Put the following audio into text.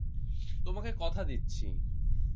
তোমাকে কথা দিচ্ছি!